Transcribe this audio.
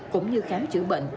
cũng như khám chữa bệnh